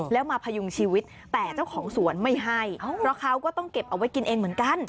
แล้วมาพยุงชีวิตแต่เจ้าของสวนไม่ให้เพราะเขาก็ต้องเก็บเอาไว้กินเองเหมือนกัน